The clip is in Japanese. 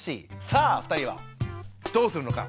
さあ２人はどうするのか。